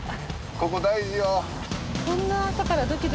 ここ大事よ。